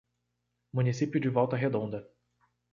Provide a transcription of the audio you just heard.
Município de Volta Redonda